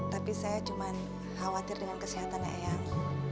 tapi saya cuma khawatir dengan kesehatan eyang